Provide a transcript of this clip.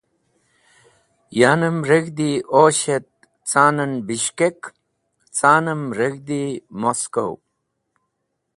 Yanem reg̃hdi Osh et ca’n en Bishkek, ca’nem reg̃hdi Moskow.